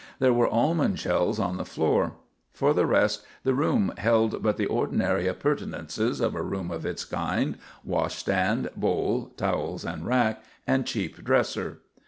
There were almond shells on the floor. For the rest the room held but the ordinary appurtenances of a room of its kind; washstand, bowl, towels and rack, and cheap dresser.